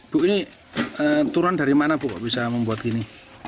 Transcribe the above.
bu ini turun dari mana bu bisa membuat gini